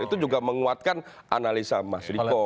itu juga menguatkan analisa mas riko